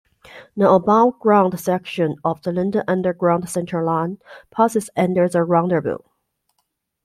An above-ground section of the London Underground Central line passes under the roundabout.